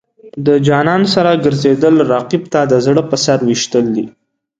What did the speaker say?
د جانان سره ګرځېدل، رقیب ته د زړه په سر ویشتل دي.